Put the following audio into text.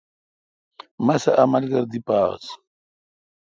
مسہ اؘ ملگر دی پا آس ۔